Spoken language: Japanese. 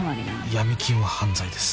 闇金は犯罪です。